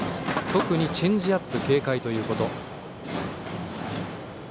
特にチェンジアップ警戒ということ。